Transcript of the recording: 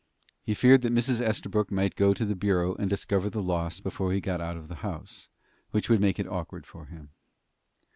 He feared that Mrs. Estabrook might go to the bureau and discover the loss before he got out of the house, which would make it awkward for him.